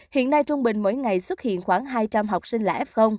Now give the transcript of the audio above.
hiện nay trung bình mỗi ngày xuất hiện khoảng hai trăm linh học sinh là f